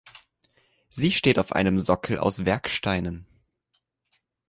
Sie steht auf einem Sockel aus Werksteinen.